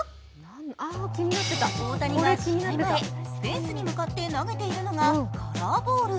前フェンスに向かって投げているのがカラーボール。